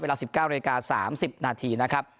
เวลา๑๙น๓๐นนะครับ